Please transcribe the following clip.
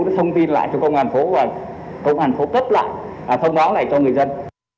mới thông tin lại cho công an phố và công an phố cấp lại thông báo lại cho người dân